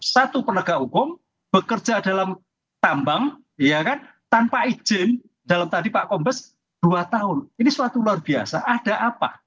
satu penegak hukum bekerja dalam tambang tanpa izin dalam tadi pak kombes dua tahun ini suatu luar biasa ada apa